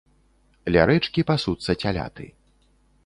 Ля рэчкі пасуцца цяляты.